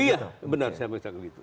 iya benar saya bilang begitu